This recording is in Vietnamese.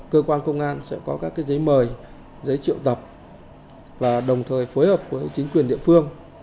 cơ quan công an sẽ có các giấy mời giấy triệu tập và đồng thời phối hợp với chính quyền địa phương